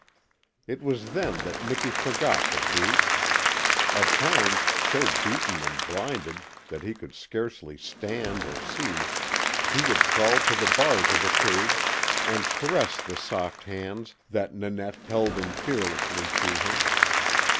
It was then that Miki forgot The Brute. At times so beaten and blinded that he could scarcely stand or see, he would crawl to the bars of the cage and caress the soft hands that Nanette held in fearlessly to him.